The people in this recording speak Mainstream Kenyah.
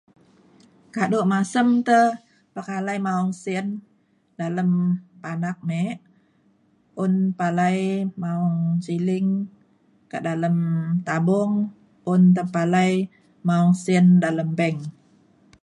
kado masem te pekalai maong sin dalem panak me un palai maong siling ka dalem tabung un tepalai maong sin dalem bank